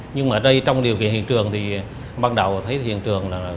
nhưng mà đây trong điều kiện hiện trường thì ban đầu thấy hiện trường là